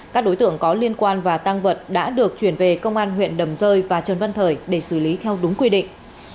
các đối tượng có liên quan và tăng vật đã được chuyển về công an huyện đầm rơi và trần văn thời để xử lý theo đúng quy định